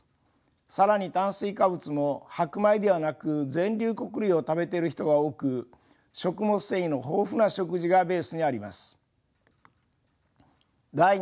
更に炭水化物も白米ではなく全粒穀類を食べているヒトが多く食物繊維の豊富な食事がベースにあります。